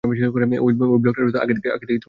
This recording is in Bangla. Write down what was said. ওই ব্লকটার আগে থেকেই অবস্থা খারাপ ছিল।